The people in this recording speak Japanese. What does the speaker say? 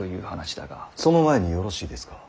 その前によろしいですか。